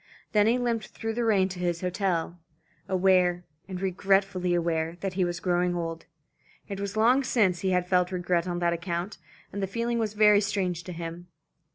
Then he limped through the rain to his hotel, aware, and regretfully aware, that he was growing old. It was long since he had felt regret on that account, and the feeling was very strange to him.